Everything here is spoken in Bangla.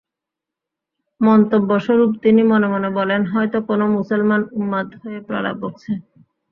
মন্তব্যস্বরূপ তিনি মনে মনে বলেন, হয়ত কোন মুসলমান উন্মাদ হয়ে প্রলাপ বকছে।